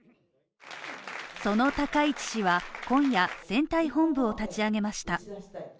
その高市氏は今夜、選対本部を立ち上げました。